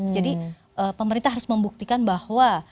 jadi pemerintah harus membuktikan bahwa